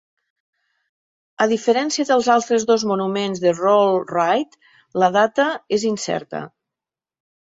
A diferència dels altres dos monuments de Rollright, la data és incerta.